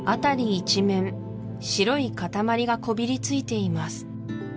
一面白い塊がこびりついています